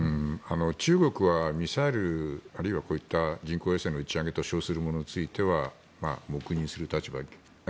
中国はミサイルあるいはこういった人工衛星の打ち上げと称することについては黙認する立場。